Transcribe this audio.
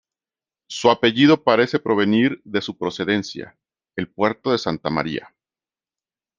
Su apellido parece provenir de su procedencia, El Puerto de Santa María.